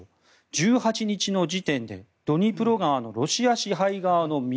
１８日の時点でドニプロ川のロシア支配側の水